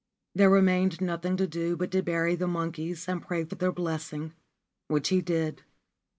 There remained nothing to do but to bury the monkeys and pray for their blessing ; which he did.